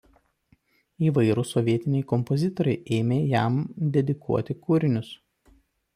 Įvairūs sovietiniai kompozitoriai ėmė jam dedikuoti kūrinius.